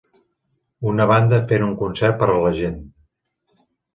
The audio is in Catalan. Una banda fent un concert per a la gent.